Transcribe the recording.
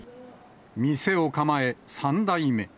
店を構え、３代目。